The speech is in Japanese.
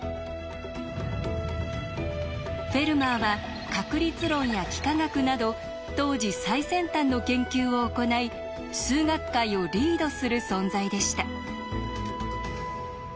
フェルマーは確率論や幾何学など当時最先端の研究を行い数学界をリードする存在でした。